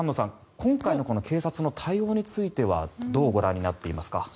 今回の警察の対応についてはどうご覧になっていますか。